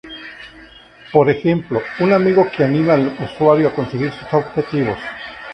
Por ejemplo, un amigo que anima al usuario a conseguir sus objetivos.